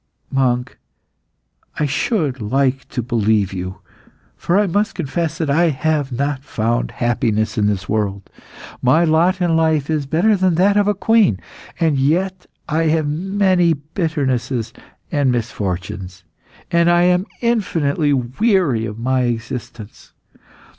"Monk, I should like to believe you, for I must confess that I have not found happiness in this world. My lot in life is better than that of a queen, and yet I have many bitternesses and misfortunes, and I am infinitely weary of my existence.